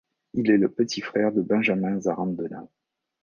Il est le petit frère de Benjamín Zarandona.